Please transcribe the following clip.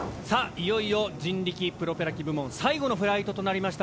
いよいよ人力プロペラ機部門最後のフライトとなりました。